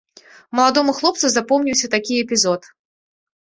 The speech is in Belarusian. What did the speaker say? Маладому хлопцу запомніўся такі эпізод.